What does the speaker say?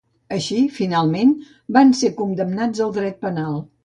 Així, finalment van ser condemnats al dret penal.